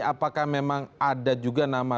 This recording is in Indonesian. apakah memang ada juga nama